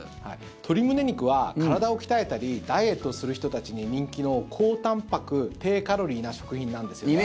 鶏胸肉は体を鍛えたりダイエットをする人たちに人気の高たんぱく、低カロリーな食品なんですよね。